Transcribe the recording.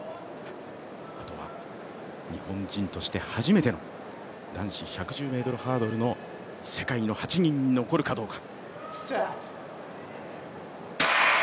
あとは日本人として初めての男子１１０ｍハードルの世界の８人に残るかどうか。